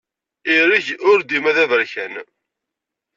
Ireg ur dima d aberkan.